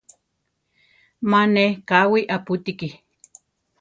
¡Ma neʼé káwi apútiki!